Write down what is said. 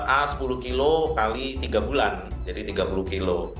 a sepuluh kg x tiga bulan jadi tiga puluh kg